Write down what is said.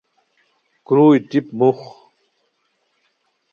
کروئی ٹیپ موخ